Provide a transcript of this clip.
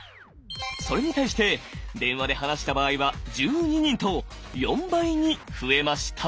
それに対して電話で話した場合は１２人と４倍に増えました。